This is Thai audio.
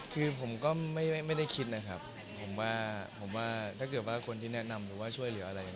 คือผมก็ไม่ได้คิดนะครับผมว่าผมว่าถ้าเกิดว่าคนที่แนะนำหรือว่าช่วยเหลืออะไร